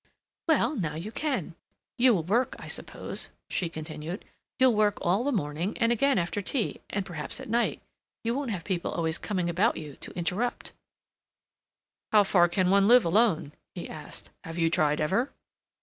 "Well, now you can. You will work, I suppose," she continued; "you'll work all the morning and again after tea and perhaps at night. You won't have people always coming about you to interrupt." "How far can one live alone?" he asked. "Have you tried ever?"